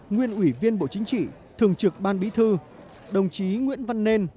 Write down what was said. nguyên ủy viên bộ chính trị thường trực ban bí thư đồng chí nguyễn văn nên